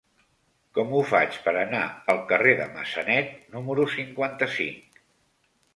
Com ho faig per anar al carrer de Massanet número cinquanta-cinc?